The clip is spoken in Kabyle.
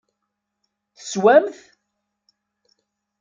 Teswam-t?